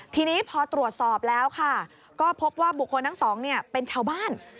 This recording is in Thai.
ทีนี้พอตรวจสอบแล้วค่ะก็พบว่าบุคคลทั้งสองเป็นชาวบ้าน